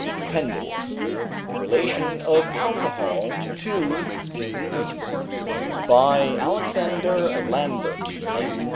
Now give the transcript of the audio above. APPENDIX THE RELATION OF ALCOHOL TO DISEASE BY ALEXANDER LAMBERT, M.